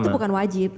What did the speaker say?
bukan itu bukan wajib